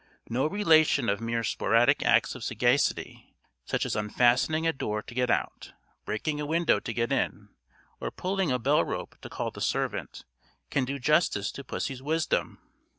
No relation of mere sporadic acts of sagacity, such as unfastening a door to get out, breaking a window to get in, or pulling a bell rope to call the servant, can do justice to pussy's wisdom.